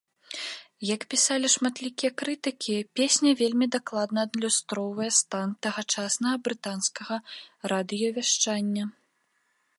Як пісалі шматлікія крытыкі, песня вельмі дакладна адлюстроўвае стан тагачаснага брытанскага радыёвяшчання.